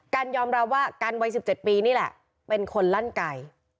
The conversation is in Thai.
กันยอมรับว่ากันวัย๑๗ปีนี่แหละเป็นคนลั่นไก่